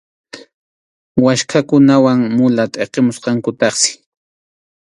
Waskhakunawan mula tʼiqimusqankutaqsi.